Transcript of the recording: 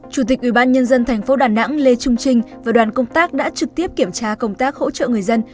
chủ tịch ubnd tp đà nẵng lê trung trinh và đoàn công tác đã trực tiếp kiểm tra công tác hỗ trợ người dân